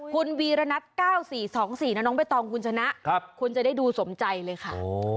คุณวีรณัท๙๔๒๔นะน้องใบตองคุณชนะคุณจะได้ดูสมใจเลยค่ะ